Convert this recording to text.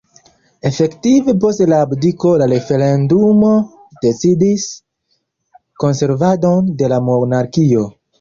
Efektive post la abdiko la referendumo decidis konservadon de la monarkio.